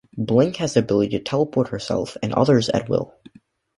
Blink has the ability to teleport herself and others at will.